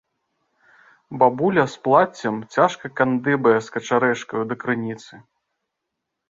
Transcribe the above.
Бабуля з плаццем цяжка кандыбае з качарэжкаю да крыніцы.